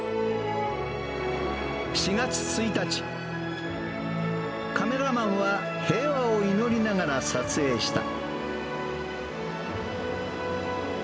４月１日、カメラマンは平和を祈りながら撮影した。